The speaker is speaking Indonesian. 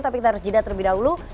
tapi kita harus jeda terlebih dahulu